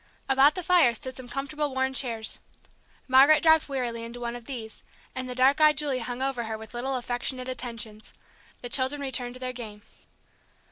About the fire stood some comfortable worn chairs. Margaret dropped wearily into one of these, and the dark eyed Julie hung over her with little affectionate attentions. The children returned to their game.